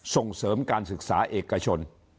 ส่งเสริมการศึกษาเอกชน